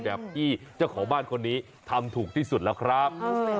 แบบที่เจ้าของบ้านคนนี้ทำถูกที่สุดแล้วครับ